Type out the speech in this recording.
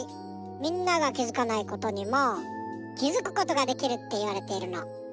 みんながきづかないことにもきづくことができるっていわれているの。